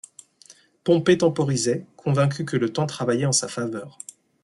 Pompée temporisait, convaincu que le temps travaillait en sa faveur.